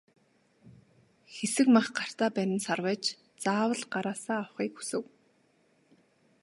Хэсэг мах гартаа барин сарвайж заавал гараасаа авахыг хүсэв.